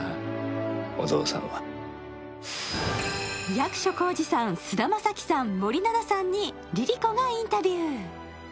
役所広司さん、菅田将暉さん森七菜さんにＬｉＬｉＣｏがインタビュー。